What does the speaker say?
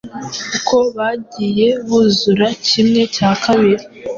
uko bagiye buzura kimwe cya kabiri